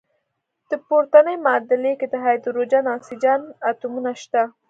په پورتني معادله کې د هایدروجن او اکسیجن اتومونه شته.